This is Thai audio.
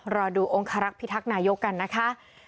รอดูองคารักษ์พิทักษ์นายกกันนะคะ